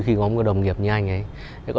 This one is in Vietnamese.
khi có một đồng nghiệp như anh ấy